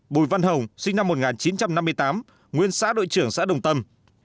bùi văn hồng sinh năm một nghìn chín trăm năm mươi tám nguyên xã đội trưởng xã đồng tâm